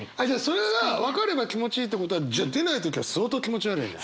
それが分かれば気持ちいいってことはじゃあ出ない時は相当気持ち悪いね。